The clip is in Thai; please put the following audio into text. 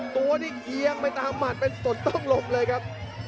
ตัวนี่เอียงไปตามหมัดเป็นสดต้องหลบเลยครับ